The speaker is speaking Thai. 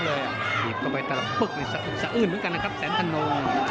หยิบเข้าไปตระปึ๊กในสะอื้นเหมือนกันนะครับแสนธนง